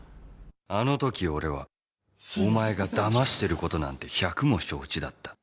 あのとき俺はお前がだましてることなんて百も承知だった。